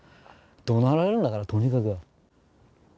怒鳴られるんだからとにかく。